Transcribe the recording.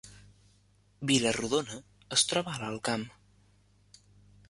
Vila-rodona es troba a l’Alt Camp